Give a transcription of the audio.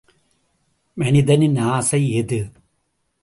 மனிதனின் ஆசை எது?